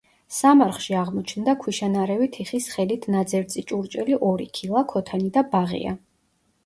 სამარხში აღმოჩნდა ქვიშანარევი თიხის ხელით ნაძერწი ჭურჭელი ორი ქილა, ქოთანი და ბაღია.